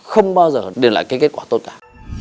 không bao giờ đưa lại kết quả tốt cả